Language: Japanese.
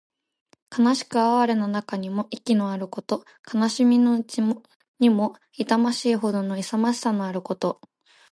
悲しく哀れな中にも意気のあること。悲しみのうちにも痛ましいほどの勇ましさのあること。